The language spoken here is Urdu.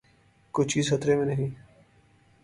کوئی چیز خطرے میں نہیں۔